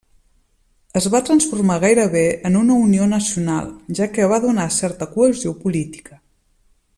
Es va transformar gairebé en una unió nacional, ja que va donar certa cohesió política.